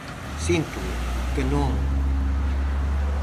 Síntoo, ¡que non!